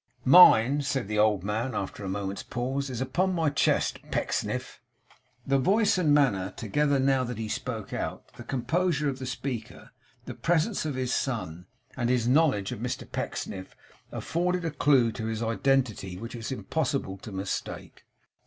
'Mine,' said the old man, after a moment's pause, 'is upon my chest, Pecksniff.' The voice and manner, together, now that he spoke out; the composure of the speaker; the presence of his son; and his knowledge of Mr Pecksniff; afforded a clue to his identity which it was impossible to mistake.